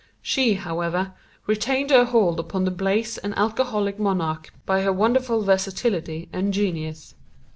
She, however, retained her hold upon the blasé and alcoholic monarch by her wonderful versatility and genius.